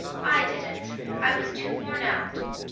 I didn't I was too worn out.